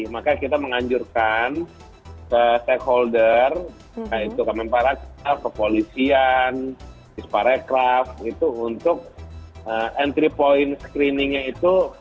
makanya kita menganjurkan ke stakeholder nah itu kemenparas ke polisian ke sparecraft gitu untuk entry point screeningnya itu